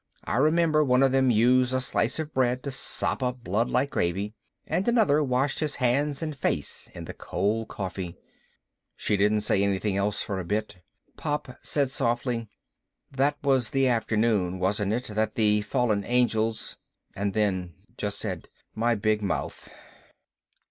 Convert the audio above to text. I remember one of them used a slice of bread to sop up blood like gravy. And another washed his hands and face in the cold coffee ..." She didn't say anything else for a bit. Pop said softly, "That was the afternoon, wasn't it, that the fallen angels ..." and then just said, "My big mouth."